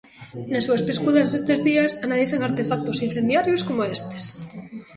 Nas súas pescudas destes días analizan artefactos incendiarios coma estes.